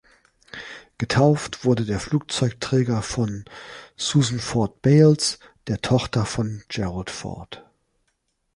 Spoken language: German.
Getauft wurde der Flugzeugträger von Susan Ford Bales, der Tochter von Gerald Ford.